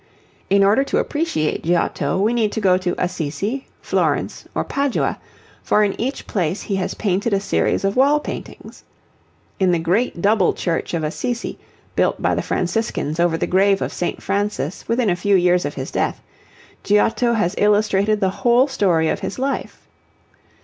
In order to appreciate Giotto we need to go to Assisi, Florence, or Padua, for in each place he has painted a series of wall paintings. In the great double church of Assisi, built by the Franciscans over the grave of St. Francis within a few years of his death, Giotto has illustrated the whole story of his life.